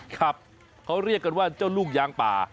ครับเขาเรียกกันว่าเจ้าลูกยางป่า